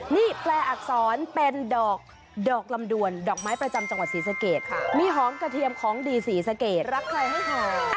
นี่แปลอักษรเป็นดอกดอกลำดวนดอกไม้ประจำจังหวัดศรีสะเกดมีหอมกระเทียมของดีศรีสะเกดรักใครให้ทาน